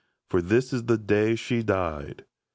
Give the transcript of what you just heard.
For this is the day she died."